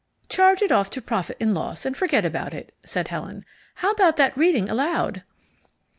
"Charge it off to profit and loss and forget about it," said Helen. "How about that reading aloud?"